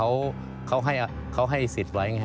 อันดับที่สุดท้าย